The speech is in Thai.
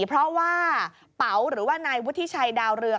เพราะว่าเป๋าหรือว่านายวุฒิชัยดาวเรือง